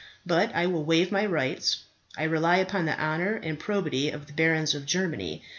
But I will waive my rights. I rely upon the honour and probity of the barons of Germany.